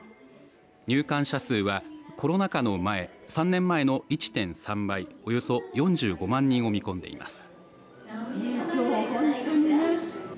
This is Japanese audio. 入館者数はコロナ禍の前、３年前の１．３倍およそ４５万人を見込んでいます。